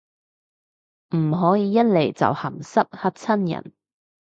唔可以一嚟就鹹濕，嚇親人